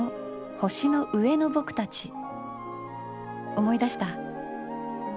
思い出した？